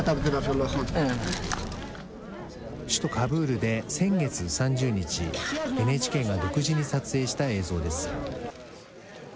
首都カブールで先月３０日、ＮＨＫが独自に撮影した映像です。